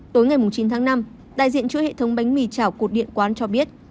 tối ngày chín tháng năm đại diện chuỗi hệ thống bánh mì chảo cột điện quán cho biết